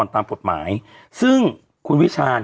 เราก็มีความหวังอะ